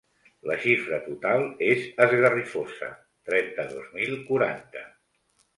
La xifra total és esgarrifosa: trenta-dos mil quaranta.